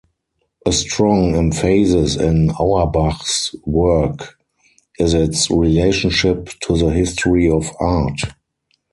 A strong emphasis in Auerbach's work is its relationship to the history of art.